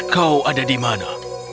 kau ada di mana